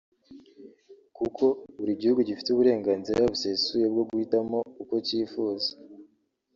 kuko buri gihugu gifite uburenganzira busesuye bwo guhitamo uko cyifuza